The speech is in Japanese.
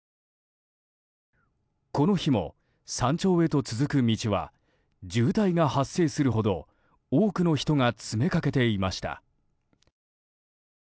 この日も、山頂へと続く道は渋滞が発生するほど多くの人が詰めかけていました。